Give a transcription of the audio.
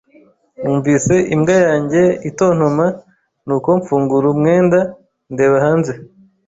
Numvise imbwa yanjye itontoma, nuko mfungura umwenda, ndeba hanze.